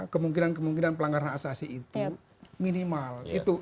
kemungkinan kemungkinan pelanggaran asasi itu minimal